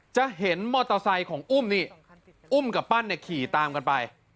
จะเห็นมอเตอร์ไซค์ของอุ้มนี่อุ้มกับปั้นเนี่ยขี่ตามกันไป